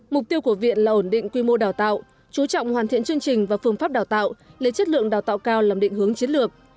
mục tiêu của viện là ổn định quy mô đào tạo chú trọng hoàn thiện chương trình và phương pháp đào tạo lấy chất lượng đào tạo cao làm định hướng chiến lược